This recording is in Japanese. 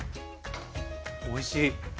おいしい。